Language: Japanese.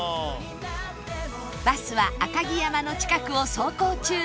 バスは赤城山の近くを走行中